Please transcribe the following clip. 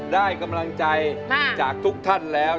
ได้กำลังใจจากทุกท่านแล้ว